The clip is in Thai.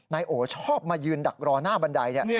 นายโอชอบมายืนดักรอหน้าบันได